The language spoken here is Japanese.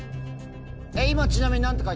今ちなみに。